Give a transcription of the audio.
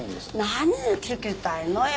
何聞きたいのよ？